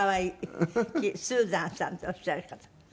スーザンさんっておっしゃる方。